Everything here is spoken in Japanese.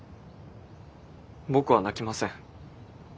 僕は泣きません。